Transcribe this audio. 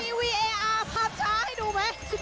มีวีเออร์พับช้าให้ดูเลยไหม